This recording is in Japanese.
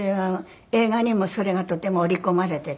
映画にもそれがとても織り込まれてて。